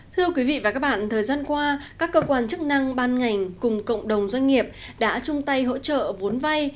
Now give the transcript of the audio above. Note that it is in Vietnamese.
thưa quý vị và các bạn thời gian qua các cơ quan chức năng ban ngành cùng cộng đồng doanh nghiệp đã chung tay hỗ trợ vốn vay